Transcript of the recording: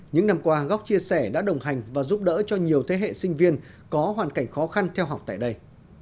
những năm qua góc chia sẻ đã đồng hành và giúp đỡ cho nhiều thế hệ sinh viên có hoàn cảnh khó khăn theo học tại đây